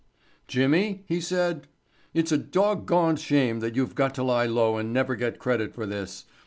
"Jimmy," he said, "it's a dog goned shame that you've got to lie low and never get credit for this.